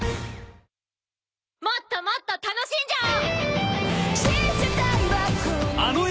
もっともっと楽しんじゃお！